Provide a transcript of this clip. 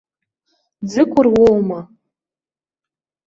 Ӡыкәыр уоума?